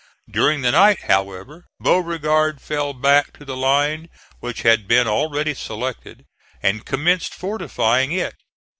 During the night, however, Beauregard fell back to the line which had been already selected, and commenced fortifying it.